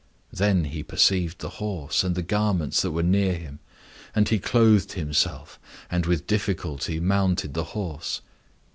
Then he perceived the horse and the garments that were near him. And he clothed himself, and with difficulty mounted the horse.